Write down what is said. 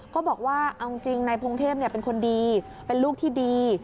ก็บอกว่าเอาจริงนายพงเทพเป็นคนดีเป็นลูกที่ดี